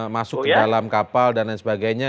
masuk ke dalam kapal dan lain sebagainya